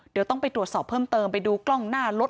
เดี๋ยวต้องไปตรวจสอบเพิ่มเติมไปดูกล้องหน้ารถ